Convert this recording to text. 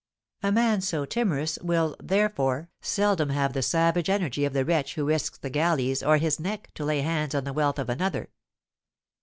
A man so timorous will, therefore, seldom have the savage energy of the wretch who risks the galleys or his neck to lay hands on the wealth of another.